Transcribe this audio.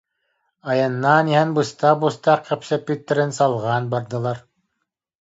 Айаннаан иһэн быстах-быстах кэпсэппиттэрин салҕаан бардылар